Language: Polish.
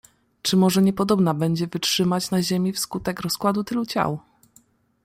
"Czy może niepodobna będzie wytrzymać na ziemi wskutek rozkładu tylu ciał?"